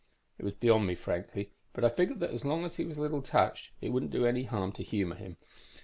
"It was beyond me, frankly, but I figured that as long as he was a little touched, it wouldn't do any harm to humor him.